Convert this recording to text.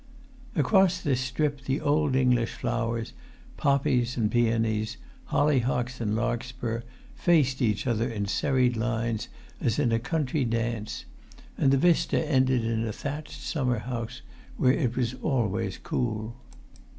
Across this strip the old English flowers, poppies and peonies, hollyhocks and larkspur, faced each other in serried lines as in a country dance; and the vista ended in a thatched summer house where it was always cool.